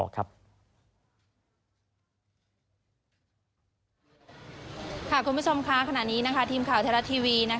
คุณผู้ชมคะขณะนี้ทีมข่าวไทยรัฐทีวี